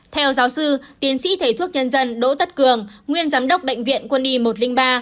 theo giáo sư tiến sĩ thầy thuốc nhân dân đỗ tất cường nguyên giám đốc bệnh viện quân y một trăm linh ba